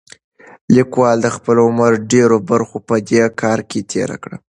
لیکوال د خپل عمر ډېره برخه په دې کار کې تېره کړې.